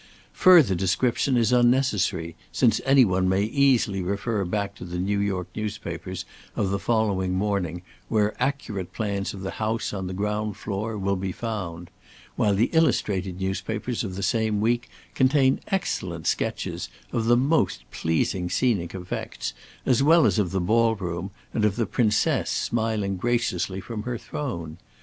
Further description is unnecessary, since anyone may easily refer back to the New York newspapers of the following morning, where accurate plans of the house on the ground floor, will be found; while the illustrated newspapers of the same week contain excellent sketches of the most pleasing scenic effects, as well as of the ball room and of the Princess smiling graciously from her throne.